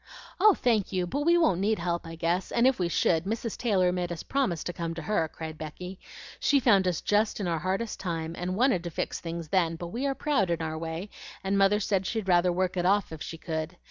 "Oh, thank you! but we won't need help I guess; and if we should, Mrs. Taylor made us promise to come to her," cried Becky. "She found us just in our hardest time, and wanted to fix things then; but we are proud in our way, and Mother said she'd rather work it off if she could.